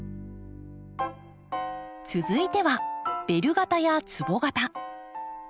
続いてはベル形やつぼ形。